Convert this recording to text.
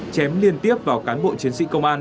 chém liên tiếp vào cán bộ chiến sĩ công an